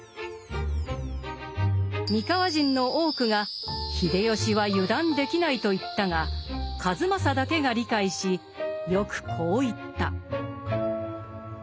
三河人の多くが秀吉は油断できないと言ったが数正だけが理解しよくこう言った。